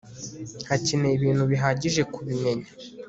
hakenewe ibintu bihagije kubimenya